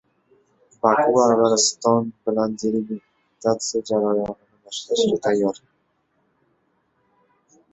Boku Armaniston bilan delimitatsiya jarayonini boshlashga tayyor